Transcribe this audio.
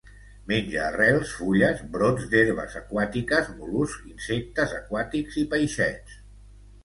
Menja arrels, fulles, brots d'herbes aquàtiques, mol·luscs, insectes aquàtics i peixets.